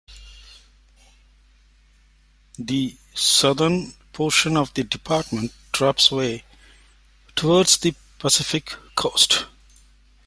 The southern portion of the department drops away towards the Pacific coast.